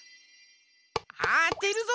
あてるぞ！